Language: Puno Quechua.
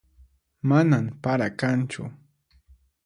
Manan para kanchu